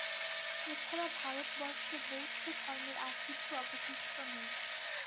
এ-ছাড়া ভারতবর্ষে বৌদ্ধধর্মের আর কিছু অবশিষ্ট নেই।